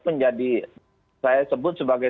menjadi saya sebut sebagai